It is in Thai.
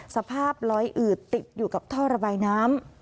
สภาพลอยอืดติดอยู่กับท่อระบายน้ำ